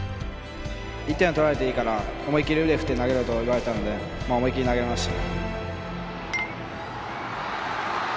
１点は取られていいから思い切り腕振って投げろと言われたので思い切り投げました。